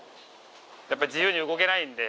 やっぱ自由に動けないんで。